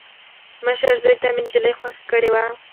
مشر زوي ته مې انجلۍ خوښه کړې وه.